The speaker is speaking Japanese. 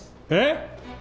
えっ！？